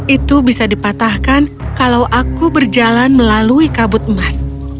itu bisa dipatahkan kalau aku berjalan melalui kabut emas